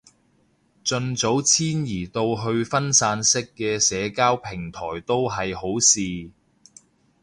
盡早遷移到去分散式嘅社交平台都係好事